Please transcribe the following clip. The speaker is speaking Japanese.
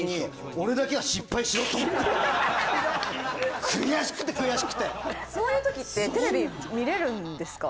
俺だけは失敗しろと思って悔しくて悔しくてそういうときってテレビ見れるんですか？